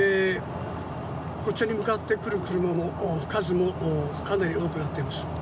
こちらに向かってくる車の数もかなり多くなっています。